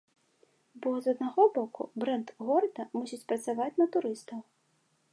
Бо, з аднаго боку, брэнд горада мусіць працаваць на турыстаў.